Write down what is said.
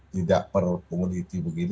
tidak perlu komoditi begitu